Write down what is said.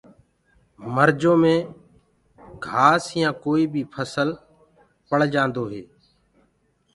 مرجو مينٚ گآس يآ ڪوئي بي ڦسل ڀݪجآندو هي۔